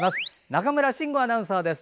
中村慎吾アナウンサーです。